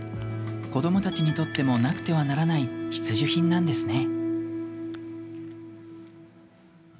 子どもたちにとってもなくてはならない必需品なんですね。